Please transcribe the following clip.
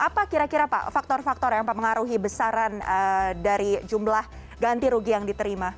apa kira kira pak faktor faktor yang mempengaruhi besaran dari jumlah ganti rugi yang diterima